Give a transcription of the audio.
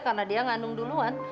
karena dia ngandung duluan